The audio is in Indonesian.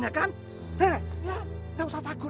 tidak ada pocongnya kan